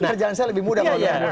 kerjaan saya lebih mudah